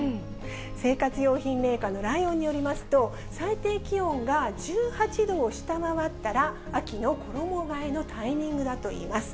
生活用品メーカーのライオンによりますと、最低気温が１８度を下回ったら、秋の衣がえのタイミングだといいます。